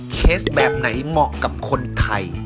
เคสแบบไหนเหมาะกับคนไทย